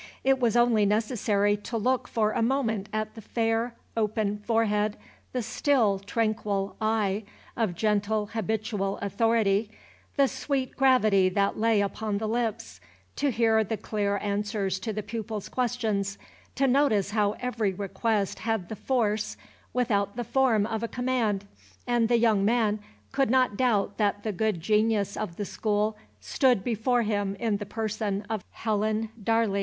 It was only necessary to look for a moment at the fair, open forehead, the still, tranquil eye of gentle, habitual authority, the sweet gravity that lay upon the lips, to hear the clear answers to the pupils' questions, to notice how every request had the force without the form of a command, and the young man could not doubt that the good genius of the school stood before him in the person of Helen barley.